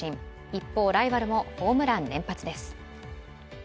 一方、ライバルもホームラン連発です。